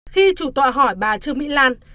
khi chủ tòa hỏi bà trương mỹ lan